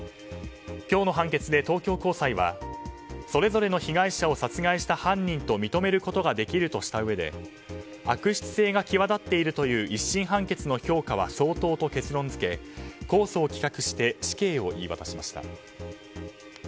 今日の判決で、東京高裁はそれぞれの被害者を殺害した犯人と認めることができるとしたうえで悪質性は際立っているという１審判決の評価は相当と結論付け控訴を棄却して死刑を言い渡しました。